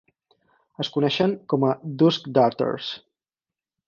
Es coneixen com a Duskdarters.